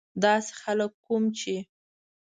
داسې خلک کوم چې.